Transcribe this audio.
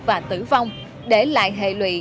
và tử vong để lại hệ lụy